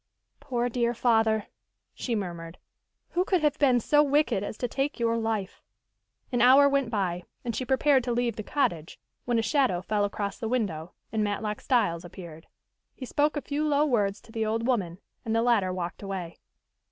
"Poor, dear father," she murmured. "Who could have been so wicked as to take your life?" An hour went by, and she prepared to leave the cottage, when a shadow fell across the window, and Matlock Styles appeared. He spoke a few low words to the old woman, and the latter walked away.